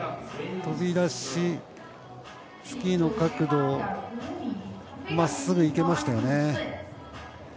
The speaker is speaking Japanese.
飛び出し、スキーの角度まっすぐ、いけましたよね。